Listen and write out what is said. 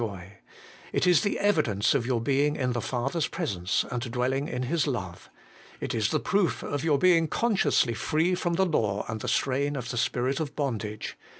It 190 HOLY IN CHRIST. is the evidence of your being in the Father's presence, and dwelling in His love. It is the proof of your being consciously free from the law and the strain of the spirit of bondage.